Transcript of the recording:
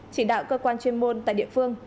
chỉ đạo cơ quan chuyên môn tại địa phương